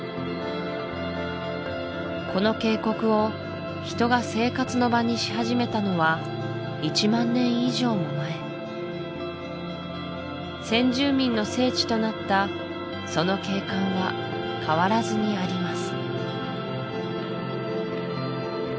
この渓谷をヒトが生活の場にし始めたのは１万年以上も前先住民の聖地となったその景観は変わらずにあります